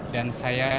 dan saya siapkan